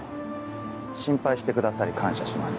心配してくださり感謝します。